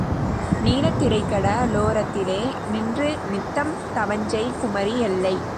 நீலத் திரைக்கட லோரத்திலே நின்று நித்தம் தவஞ்செய் குமரி எல்லை